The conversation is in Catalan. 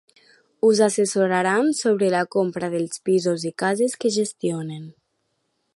Us assessoraran sobre la compra dels pisos i cases que gestionen.